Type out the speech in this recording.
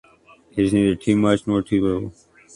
It is neither too much nor too little.